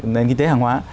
nền kinh tế hàng hóa